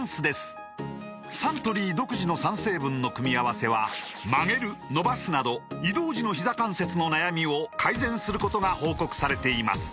サントリー独自の３成分の組み合わせは曲げる伸ばすなど移動時のひざ関節の悩みを改善することが報告されています